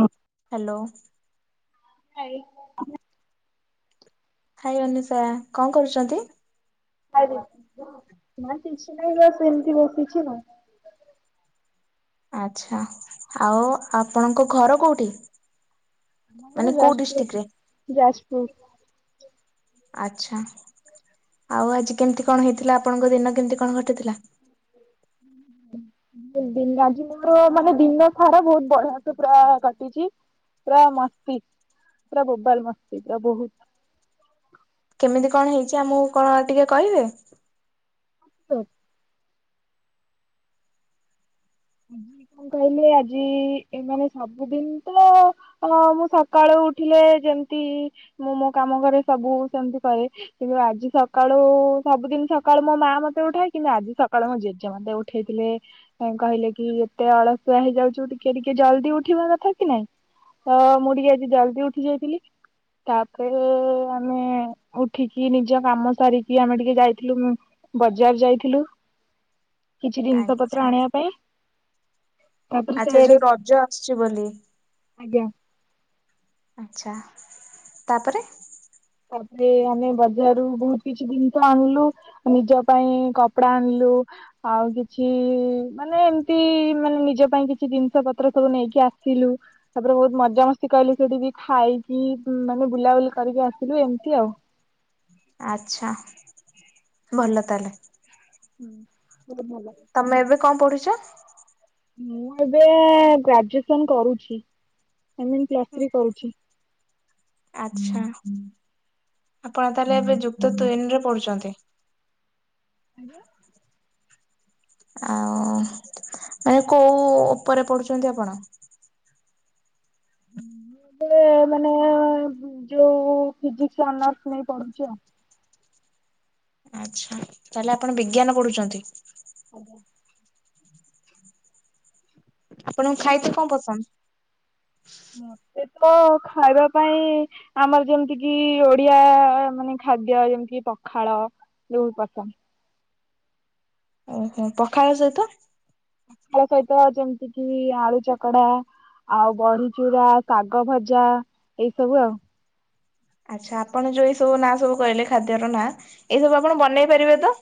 ଅ hello. Hi. ଆ। Hi Anisha କଣ କରୁଛନ୍ତି? ଆରେ ନା କିଛି ନାହିଁ ଲୋ ବାସ ଏମିତି ବସିଛି ଆଉ। ଆଛା ଆଉ ଆପଣଙ୍କ ଘର କୋଉଠି? ମାନେ କୋଉ ଡିଷ୍ଟ୍ରିକଟ ରେ? ଯାଜପୁର। ଆଛା ଆଉ ଆଜି କେମତି କଣ ହେଇଥିଲା ଆପଣଙ୍କ ଦିନ କେମତି କଣ କଟିଥିଲା? ଦ ଆଜି ମୋର ମାନେ ଦିନ ସାରା ବହୁତ ବଢିଆ ପୁରା କଟିଛି। ପୁରା ମସ୍ତି ବୋବାଲ ମସ୍ତି ପ୍ରଭୁ। କେମିତି କଣ ହେଇଛି ଆମକୁ କଣ ଟିକେ କହିବେ? ଆଛ। କଣ କହିଲେ ଆଜି ଏମାନେ ସବୁଦିନ ତ ହଁ ମୁଁ ସକାଳୁ ଉଠିଲେ ଯେମିତି ମୁଁ ମୋ କାମ ଘରେ ସବୁ ସେମତି କରେ। କିନ୍ତୁ ଆଜି ସକାଳୁ ସବୁଦିନ ସକାଳୁ ମୋ ମାଆ ମତେ ଉଠାଏ କିନ୍ତୁ ଆଜି ସକାଳୁ ମୋ ଜେଜେ ମତେ ଉଠା ଉଠେଇଥିଲେ କହିଲେ କି କି ଏତେ ଅଳସୁଆ ହେଇଯାଉଛୁ ଟିକେ ଟିକେ ଜଲଦି ଉଠିବା କଥା କି ନାଇଁ। ତ ମୁଁ ଟିକେ ଆଜି ଜଲଦି ଉଠି ଯାଇଥିଲି ତାପରେ ଆମେ ଉଠିକି ନିଜ କାମ ସାରିକି ଆମେ ଟିକେ ଯାଇଥିଲୁ ଉଁ ବଜାର ଯାଇଥିଲୁ। କିଛି ଜିନିଷ ପତ୍ର ଆଚ୍ଛା ଆଣିବା ପାଇଁ। ତାପରେ ଆଚ୍ଛା ସେଆଡେ ଯୋଉ ରଜ ଆସୁଛି ବୋଲି। ଆଜ୍ଞା। ଆଛା ତାପରେ? ତାପରେ ଆମେ ବଜାରରୁ ବହୁତ କିଛି ଜିନିଷ ଆଣିଲୁ। ନିଜ ପାଇଁ କପଡା ଆଣିଲୁ। ଆଉ କିଛି ମାନେ ଏମିତି ମାନେ ନିଜ ପାଇଁ କିଛି ଜିନିଷ ପତ୍ର ସବୁ ନେଇକି ଆସିଲୁ। ତାପରେ ବହୁତ ମଜାମସ୍ତି କହିଲୁ ସେଠିକି ଖାଇକି ମାନେ ବୁଲାବୁଲି କରିକି ଆସିଲୁ ଏମିତି ଆଉ। ଆଛା ଭଲ ତାହେଲେ। ହୁଁ ସବୁ ଭଲ। ତୁମେ ଏବେ କଣ ପଢ଼ୁଛ? ମୁଁ ଏବେ ଗ୍ରାଜୁଏସନ କରୁଛି ମନେ ପ୍ଲସ୍ ଥ୍ରୀ କରୁଛି। ଆଛା ଆପଣ ତାହେଲେ ଏବେ ଯୁକ୍ତ ତିନି ରେ ପଡୁଛନ୍ତି। ଆଜ୍ଞା। ଆଉ ମାନେ କୋଉ ଉପରେ ପଢୁଛନ୍ତି ଆପଣ? ମୁଁ ଏ ମାନେ ଯୋଉ ଫିଜିକସ ଅନର୍ସ ନେଇ ପଢୁଛି ଆଉ। ଆଚ୍ଛା ତାହେଲେ ଆପଣ ବିଜ୍ଞାନ ପଢ଼ୁଛନ୍ତି। ଆଜ୍ଞା। ଆପଣଙ୍କୁ ଖାଇତେ କଣ ପସନ୍ଦ? ମତେ ତ ଖାଇବା ପାଇଁ ଆମର ଯେମିତି କିି ଓଡ଼ିଆ ମାନେ ଖାଦ୍ୟ ଯେମିତି ପଖାଳ। ବହୁତ୍ ପସନ୍ଦ। ଓହୋ ପଖାଳ ସହିତ? ଖାଳ ସହିତ ଯେମିତି କି ଆଳୁ ଚକଡ଼ା। ଆଉ ବଢ଼ିଚୂୁରା ଶାଗ ଭଜା ଏଇ ସବୁ ଆଉ। ଆଚ୍ଛା ଆପଣ ଯୋଉ ଏଇ ସବୁ ନାଁ ସବୁ କହିଲେ ଖାଦ୍ୟର ନାଁ ଏଇ ସବୁ ଆପଣ ବନେଇ ପାରିବେ ତ?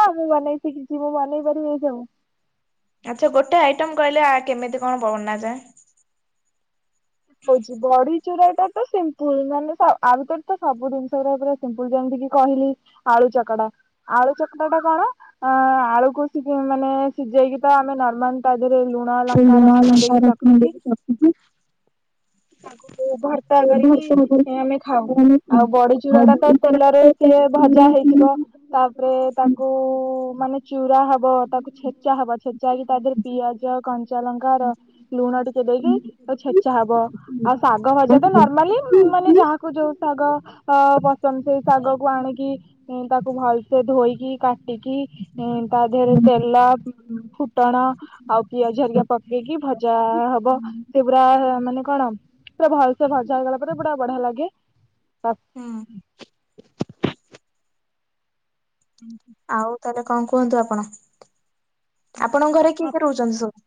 ହଁ ମୁଁ ମନେଇ ଶିଖିଛି ମୁଁ ମନେଇ ପାରିବି ଏଇସବୁ। ଆଚ୍ଛା ଗୋଟେ ଆଇଟମ୍ କହିଲେ ଆ କେମିତି କଣ ବାନାଁଯାଏ। ହଉଛି ବଡ଼ି ଚୁରା ଟା ତ ସିମ୍ପୁଲ ମାନେ ତ ଆମ୍ ପଟେ ତ ସବୁ ଜିନିଷ ରା ପୁରା ସିମ୍ପୁଲ ଯେମିତି କି କହିଲି ଆଳୁ ଚକଟା ଆଳୁ ଚକଡ଼ା ଟା କଣ? ଆଁ ଆଳୁକୁ ସିଝେଇବା ମାନେ ସିଝେଇକି ତ ଆମେ ନର୍ମାଲ ତା ଦେହରେ ଲୁ ସେ ଲୁଣ ଲଙ୍କା ରସୁଣ ଦେଇକି ତାକୁ ମୁଁ ଭର୍ତା ସେ କରିକି ଭର୍ତ୍ତା କରିକି ଆମେ ଖାଉ ସେମାନେ ଖାଆନ୍ତି। ଆଉ ବଡ଼ି ଚୁୁରା ଆଉ ଟା ତ ବଡି ଚୁରା ଟା ତ ତେଲରେ ସିଏ ଭଜା ହେଇଥିବ ତାପରେ ହୁଁ ତାକୁ ମାନେ ଚୁରା ହବ ତାକୁ ଛେଚା ହବ। ଛେଚା ହେଇକି ତା ଦେହେରେ ପିଆଜ କଞ୍ଚା ଲଙ୍କା ର ଲୁଣ ଟିକେ ଦେଇକି ତାକୁ ଛେଚା ହବ। ଆଉ ଶାଗ ଭଜା ଟା ନର୍ମାଲି ମାନେ ଯାହାକୁ ଯୋଉ ଶାଗ ଅ ପସନ୍ଦ ସେଇ ଶାଗ କୁ ଆଣିକି ମୁଁ ତାକୁ ଭଲସେ ଧୋଇକି କା ଟିକି ତା ଦେହରେ ତେଲ ଫୁଟଣ ଆଉ ପିଆଜ ହେରିକା ପକେଇକି ଭଜା ହବ ସେ ପୁରା ମାନେ କଣ? ପୁରା ଭଲସେ ଭଜା ହେଇଗଲା ପରେ ପୁରା ବଢ଼ିଆ ଲାଗେ। ହୁଁ। ହୁଁ ହୁଁ। ଆଉ ତାହେଲେ କଣ କୁହନ୍ତୁ ଆପଣ ଆପଣଙ୍କ ଘରେ କିଏ କିଏ ରହୁଛନ୍ତି ସବୁ?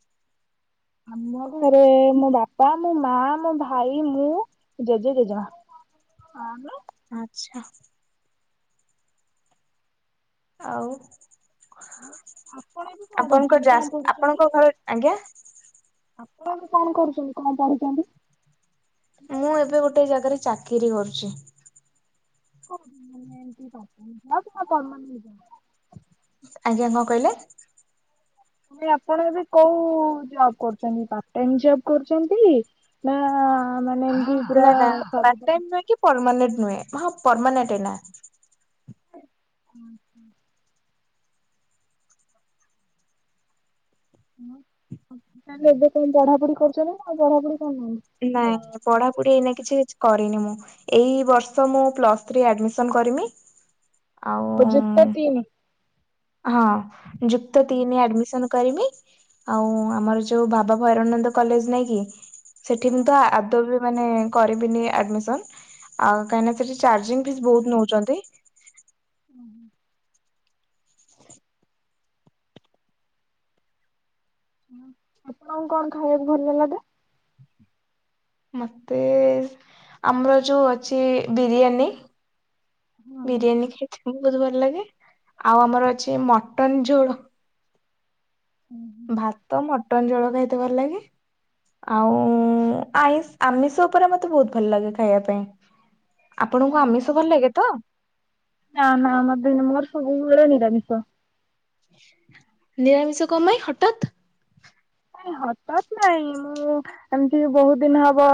ଆମ ଘରେ ମୋ ବାପା ମୋ ମା ମୋ ଭାଇ ମୁଁ ଜେଜେ ଜେଜେମା। [unintelligible] ଆଚ୍ଛା। ଆଉ ଆପଣଙ୍କ ଜାସ୍ ଆପଣଙ୍କ ଘର ଆଜ୍ଞା? ଆପଣ ଏବେ କଣ କରୁଛନ୍ତି କଣ ପଢ଼ୁଛନ୍ତି? ମୁଁ ଏବେ ଗୋଟେ ଜାଗାରେ ଚାକିରି କରୁଛି। [unintelligible] ଆଜ୍ଞା କଣ କହିଲେ? ମାନେ ଆପଣ ଏବେ କୋଉ ଜବ୍ କରୁଛନ୍ତି ପାର୍ଟ ଟାଇମ୍ ଜଵ୍ କରୁଛନ୍ତି? ନା ମାନେ ପୁରା ନାଁ ନାଁ ପାର୍ଟ ତାହେଲେ ଟାଇମ୍ ନୁହଁ କି ପର୍ମାନେଣ୍ଟ ନୁହେଁ ହଁ ପର୍ମାନେଣ୍ଟ ହେଲା। ହୁଁ ହୁଁ। ହଁ ତାହେଲେ ଏବେ କଣ ପଢ଼ା ପଢ଼ି କରୁଛନ୍ତି ନା ଆଉ ପଢ଼ା ପଢ଼ି କରୁନାହାନ୍ତି? ନାଇଁ। ପଢ଼ା ପଢ଼ି ଏଇନା କିଛି କରିନି ମୁଁ ଏଇ ବର୍ଷ ମୁଁ ପ୍ଲସ୍ ଥ୍ରି ଆଡ଼ମିଶନ କରିମି। ଆଉ ଓ ଯୁକ୍ତ ତିନି? ହଁ ଯୁକ୍ତ ତିନେ ଆଡମିସନ୍ ଆଉ ଆମର ଯୋଉ ବାବା ଭରାନନ୍ଦ କଲେଜ ନାଇଁ କି ସେଠି ମୁ ତ ଆଦବ ମାନେ କରିବିନି ଆଡମିସନ ଆଉ କାହିଁ ସେଠି ଚାର୍ଜିଂ ଫି ବହୁତ ନଉଛନ୍ତି। ଓୁଁ ହ। ଆପଣଙ୍କୁ କଣ ଖାଇବାକୁ ଭଲ ଲାଗେ? ମତେ ଆମର ଯୋଉ ଅଛି ବିରିୟାନୀ। ହୁଁ। ବିରିୟାନୀ ଖାଇଥିଲ ବହୁତ ଭଲ ଲାଗେ। ଆଉ ଆମର ଅଛି ମଟନ ଝୋଳ। ଭାତ ମଟନ ଜୋଳ ଖାଇତେ ଭଲ ଲାଗେ। ଆଉ ଆମିଷ ଉପରେ ମତେ ବହୁତ ଭଲ ଲାଗେ ଖାଇବା ପାଇଁ। ଆପଣଙ୍କୁ ଆମିଷ ଭଲ ଲାଗେ ତ? ନାଁ ନାଁ ମୋର ସବୁବେଳେ ନିରାମିିଶ। ନିରାମିଷ କଣ ପାଇଁ ହଠାତ୍? ନାଇ ହଠତ୍ ନାଇଁ ମୁଁ ଏମିତି ବହୁତ ଦିନ ହବ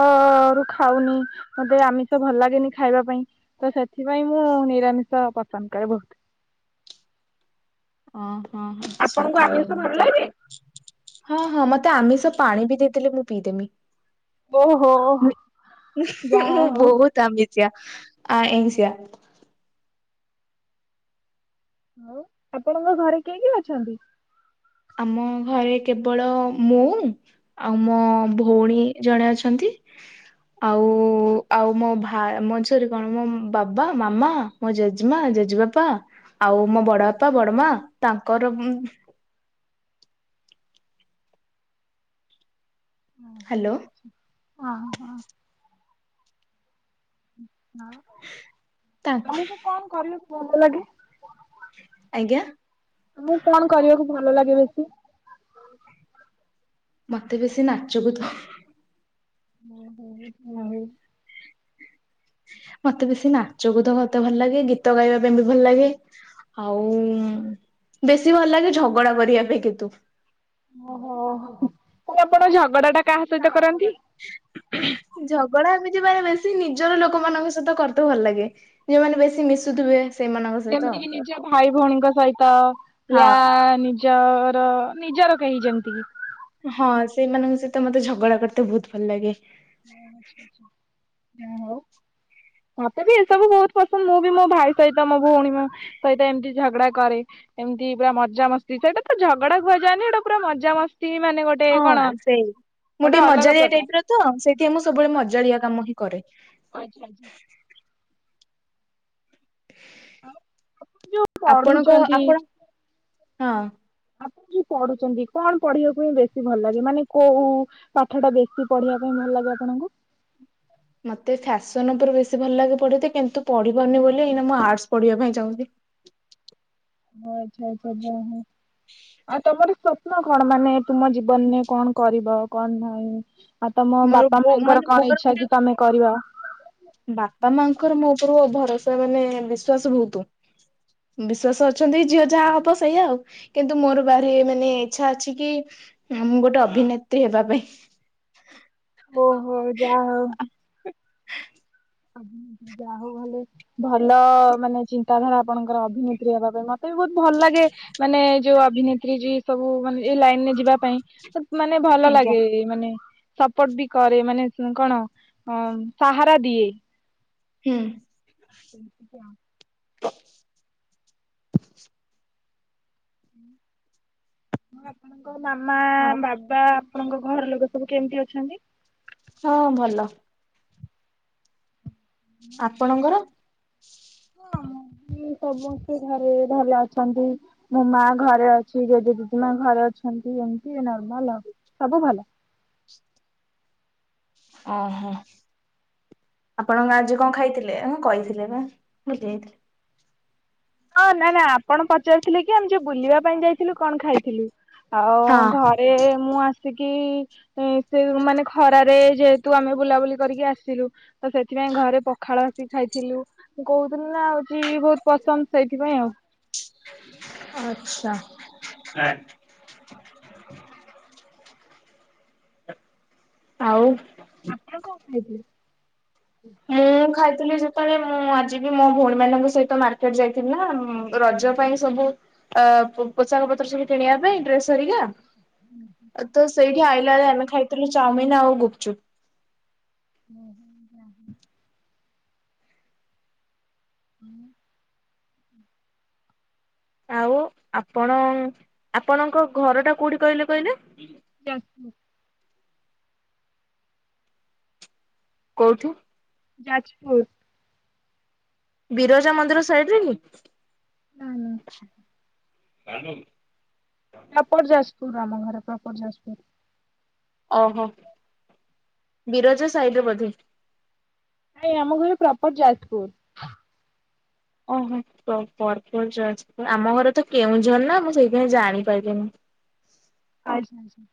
ରୁ ଖାଉନି। ମୋତେ ଆମିଷ ଭଲ ଲାଗେନି ଖାଇବା ପାଇଁ ତ ସେଥିପାଇଁ ମୁଁ ନିରାମିଷ ପସନ୍ଦ କରେ ବହୁତ। ଓହୋ ହୋ। ଆପଣଙ୍କୁ ଆଡମିସନ ଭଲ ଲାଗେ? ହଁ ହଁ ମତେ ଆମିଷ ପାଣି ବି ଦେଇଦେଲେ ମୁଁ ପିଇଦେବି। ଓହୋ ଯାହା ମୁଁ ହଉ ବହୁତ ଆମିଜଆ ଆ ଏ ସିଆ। ହଉ ଆପଣଙ୍କ ଘରେ କିଏ କି ଅଛନ୍ତି? ଆମ ଘରେ କେବଳ ମୁ ଆଉ ମୋ ଭଉଣୀ ଜଣେ ଅଛନ୍ତି। ଆଉ ଆଉ ମୋ ଭ ମୋ ଝିରେ କଣ ମୋ ବାବା ମାମା। ମଁ ଜେଜେମା ଜେଜେବାପା ଆଉ ମୋ ବଡ ବାପା ବଡମା ତାଙ୍କର ହ୍ୟାଲୋ? ହଁ ହ। ହଁ। ତା ତମକୁ କଣ କରିଲୁ ଭଲ ଲାଗେ? ଆଜ୍ଞା। ଆଁ କଣ କରିବାକୁ ଭଲ ଲାଗେ ବେଶୀ। ମତେ ବେଶୀ ନାଚକୁ ତ ଓ ହୋ ହ। ମତେ ବେଶୀ ନାଚକୁ ତ ମତେ ଭଲ ଲାଗେ ଗୀତ ଗାଇବା ପାଇଁ ବି ଭଲ ଲାଗେ। ଆଉ ବେଶୀ ଭଲ ଲାଗେ ଝଗଡା କରିବା ପାଇଁ କିନ୍ତୁ। ଓହୋ ଆପଣ ଝଗଡା ଟା କାହା ସହିତ କରନ୍ତି? ଝଗଡା ଏମିତି ମାନ ବେଶୀ ନିଜର ଲୋକମାନାନଙ୍କ ସହିତ କରିତ ଭଲ ଲାଗେ। ଯୋଉମାନେ ବେଶୀ ମିଶୁଥିବେ। ସେଇମାନଙ୍କ ସହିତ ଯେମିତିକ ନିଜ ଭାଇ ଭଉଣୀଙ୍କ ସହିତ ୟା ହଁ ନିଜ ନିଜର ନିଜର କେହି ଯେମିତି କି ହଁ ସେଇମାନଙ୍କ ସହିତ ମତେ ଝଗଡା କରତେ ବହୁତ ଭଲ ଲାଗେ। ହ ହଉ। ମତେ ବି ଏସବୁ ବହୁତ ପସନ୍ଦ। ମୁଁ ବି ମୋ ଭାଇ ସହିତ ମୋ ଭଉଣୀ ସହିତ ଏମିତି ଝଗଡା କରେ। ଏମିତି ପୁରା ମଜାାମସ୍ତି ସେଇଟା ତ ଝଗଡା କୁହାଯାଏନି ଏଇଟା ପୁରା ମଜାମସ୍ତି ମାନେ ଗୋଟେ ହଁ କଣ ସେଇ ମୁଁ ଗୋଟେ ଟିକେ ଅଲଗା ମଜାଡିଆ ପ୍ରକାର ଟାଇପ ର ତ ସେଇଥିପାଇଁ ମୁଁ ସବୁବେଳେ ମଜାଡିଆ କାମ ହିଁ କରେ। ଆଚ୍ଛା ଆଚ୍ଛା। ଯୋଉ ଆପଣଙ୍କ ପଢୁଛନ୍ତି ଆପଣ ହଁ? ଆପଣ ଯ ପଢୁଛନ୍ତି କଣ ପଢିବାକୁ ହି ବେଶୀ ଭଲ ଲାଗେ ମାନେ କୋଉ ପାଠ ଟା ବେଶୀ ପଢିବା ପାଇଁ ଭଲ ଲାଗେ ଆପଣଙ୍କୁ? ମତେ ଫ୍ୟାସନ ଉପରେ ବେଶୀ ଭଲ ଲାଗେ ପଢେ କିନ୍ତୁ ପଢିବନି ବୋଲି ମୁଁ ଆର୍ଟସ ପଢିବା ପାଇଁ ଚାହୁଁଛି। ହଛ ଆଛ ଯା ହ ଆଉ ତମର ସ୍ୱପ୍ନ କଣ ମାନେ ତୁମ ଜୀବନରେ କଣ କରିବ କଣ ନାହିଁ। ଆଉ ତମ ମୋର ବାପା ବୋ ମାନେ ମାଙ୍କର କଣ ମୋର ଇଚଛା ଗୋଟେ କି ତମେ କରିବା। ବାପା ମାଙ୍କର ମୋ ଉପରୁ ଭରସା ମାନେ ବିଶ୍ଵାସ ବହୁତ ବିଶ୍ଵାସ ଅଛନ୍ତି ଝିଅ ଯାହା ହବ ସେଇଆ ଆଉ। କିନ୍ତୁ ମୋର ବାହି ମାନେ ଇଚ୍ଛା ଅଛି କି ମୁଁ ଗୋଟେ ଅଭିନେତ୍ରୀ ହେବା ପାଇଁ ଓହୋ ଯାହା ହଉ। ଆ ଯା ହଉ ଭଲେ ଭଲ ମାନେ ଚିନ୍ତାଧାରା ଆପଣଙ୍କର ଅଭିନେତ୍ରୀ ହେବା ପାଇଁ ମତେ ତେବେ ବହୁତ ଭଲ ଲାଗେ ମାନେ ଯୋଉ ଅଭିନେତ୍ରୀ ଯି ସବୁ ମାନେ ଏଇ ଲାଇନରେ ଯିବା ପାଇଁ। ତ ମାନେ ଭଲ ଆଜ୍ଞା ଲାଗେ। ମାନେ ସପୋର୍ଟ ବି କରେ ମାନେ କଣ ଅ ସାହାରା ଦିଏ। ହୁଁ [unintelligible] ଆପଣଙ୍କ ମାମା ଆଉ ବାବା ଆପଣଙ୍କ ଘର ଲୋକ ସବୁ କେମିତି ଅଛନ୍ତି? ହଁ ଭଲ। ଆପଣଙ୍କର? ହୁଁ ସମସ୍ତେ ଘରେ ଭଲ ଅଛନ୍ତି। ମୋ ମା ଘରେ ଅଛି ଯଜି ଜେଜେ ମା ଘରେ ଅଛନ୍ତି ଏମିତି ନର୍ମାଲ ଆଉ ସବୁ ଭଲ ଅ ହୋ ଆପଣଙ୍କ ଆଜି କଣ ଖାଇଥିଲେ ହଁ କହିଥିଲେ ବା ଭୁଲି ଯାଇଥିଲି। ଆଁ ନା ନା ଆପଣ ପା ପଚାରିଥିଲେ କି ଆମେ ଯୋଉ ବୁଲିବା ପାଇଁ ଯାଇଥିଲୁ କଣ ଖାଇଥିଲୁ ଆଉ ଘରେ ମୁଁ ଆ ଆସିକି ସେ ମାନେ ଖରାରେ ଯେହେତୁ ଆମେ ବୁଲାବୁଲି କରିକି ଆସିଲୁ। ତ ସେଥିପାଇଁ ଘରେ ପଖାଳ ଆସିକି ଖାଇଥିଲୁ ମୁଁ କହୁଥିଲି ନା ଆଉଠି ବହୁତ ପସନ୍ଦ ସେଇଥିପାଇଁ ଆଉ। ଆଚ୍ଛା। ଆଉ ଆପଣ କଣ ଖାଇଥିଲେ? ମୁଁ ଖାଇଥିଲି ସେତେବେଳେ ମୁଁ ଆଜି ବି ମୋ ଭଉଣୀ ମାନଙ୍କ ସହିତ ମାର୍କେଟ ଯାଇଥିଲି ନା ରଜ ପାଇଁ ସବୁ ଅ ପୋଷାକ ପତ୍ର ସବୁ କିଣିବା ପାଇଁ ଡ୍ରେସ ହେରିକା ହୁଁ ହୁଁ ତ ସେଇଠି ଆଇଲାବେଳେ ଆମେ ଖାଇଥିଲୁ ଚାଉମିନ ଆଉ ଗୁପଚୁପ। ହୁଁ ହୁଁ ହୁଁ ହୁଁ ହୁଁ ଆଉ ଆପଣ ଆପଣଙ୍କ ଘର ଟା କୋଉଠି କହିଲେ? ଚ କୋଉଠି? ଯାଜପୁର। ବିରଜା ମନ୍ଦିର ସାଇଡି଼ ରେ କି? ନା ନା କାଢ଼ନ୍ତୁ। ପ୍ରପର ଯାଜପୁର ଆମ ଘର ପ୍ରପର ଯାଜପୁର। ଓ ହୋ ବିରଜା ସାଇଡ଼ି ରେ ବୋଧେ। ନାଇଁ ଆମ ଘର ପ୍ରପର ଯାଜପୁର। ଓହୋ ପ୍ରପର ଯାଜପୁର ଆମ ଘର ତ କେଉଁଝର ନା ମୁଁ ସେଇଥିପାଇଁ ଜାଣିପାରିଲିନି। ଆଚ୍ଛା ଆଚ୍ଛା।